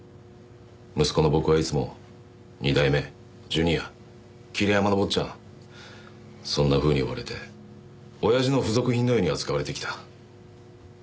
息子の僕はいつも二代目ジュニア桐山の坊ちゃんそんなふうに呼ばれて親父の付属品のように扱われてきた。